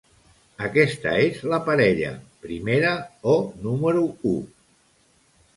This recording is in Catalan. Aquesta és la parella "primera" o "número u".